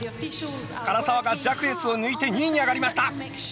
唐澤がジャクエスを抜いて２位に上がりました！